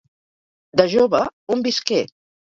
De jove, on visqué?